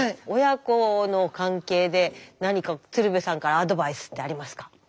親子の関係で何か鶴瓶さんからアドバイスってありますか？